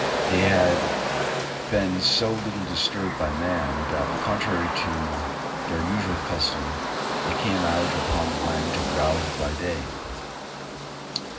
They had been so little disturbed by man, that, contrary to their usual custom, they came out upon the land to browse by day.